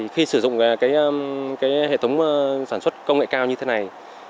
khi sử dụng hệ thống sản xuất công nghệ cao như thế này